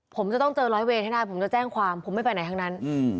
ผมจะต้องเจอร้อยเวรให้ได้ผมจะแจ้งความผมไม่ไปไหนทั้งนั้น